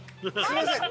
すみません。